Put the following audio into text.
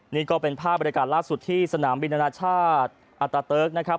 นี่ก็เป็นภาพบริการล่าสุดที่สนามบินอนาชาติอาตาเติร์กนะครับ